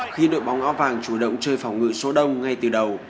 khi đội bóng áo vàng chủ động chơi phòng ngự số đông ngay từ đầu